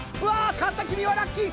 勝った君はラッキー！